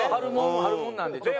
春物なんでちょっと。